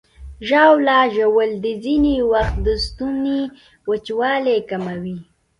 ژاوله ژوول ځینې وخت د ستوني وچوالی کموي.